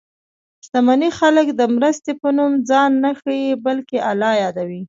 شتمن خلک د مرستې په نوم ځان نه ښيي، بلکې الله یادوي.